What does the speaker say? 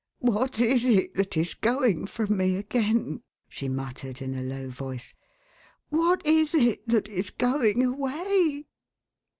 " What is it that is going from me again ?" she muttered, in a low voice. " What is this that is going away?"